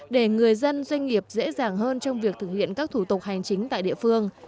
để người dân doanh nghiệp dễ dàng hơn trong việc thực hiện các thủ tục hành chính tại địa phương